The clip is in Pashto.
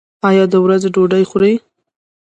ایا د ورځې ډوډۍ خورئ؟